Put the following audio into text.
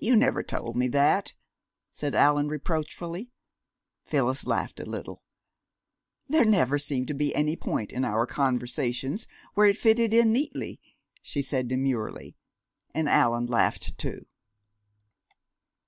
"You never told me that," said Allan reproachfully. Phyllis laughed a little. "There never seemed to be any point in our conversations where it fitted in neatly," she said demurely. Allan laughed, too.